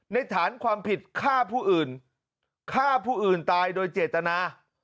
ในฐานความผิดฆ่าผู้อื่นตายโดยเจตนา